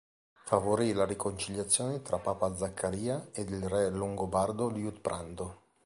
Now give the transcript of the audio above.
Favorì la riconciliazione tra papa Zaccaria ed il re longobardo Liutprando.